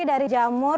ini dari jamur